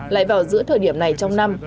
lại vào giữa thời điểm này trong năm